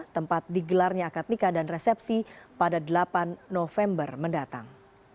tempat digelarnya akad nikah dan resepsi pada delapan november mendatang